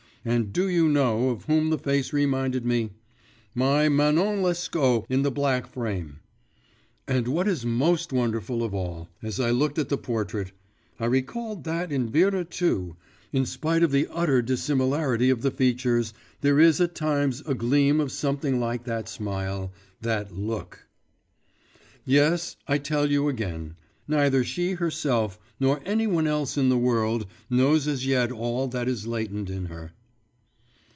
And do you know of whom the face reminded me? My Manon Lescaut in the black frame. And what is most wonderful of all, as I looked at the portrait, I recalled that in Vera too, in spite of the utter dissimilarity of the features, there is at times a gleam of something like that smile, that look.… Yes, I tell you again; neither she herself nor any one else in the world knows as yet all that is latent in her.